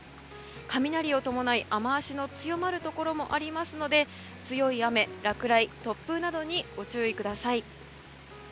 雷を伴い、雨脚の強まるところもありますので強い雨、落雷、突風などにご注意ください。